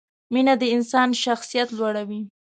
مینه د انسان شخصیت لوړوي.